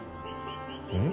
うん？